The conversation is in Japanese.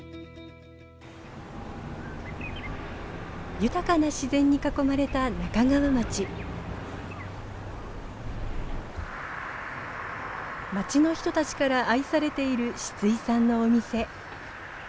豊かな自然に囲まれた町の人たちから愛されているシツイさんのお店。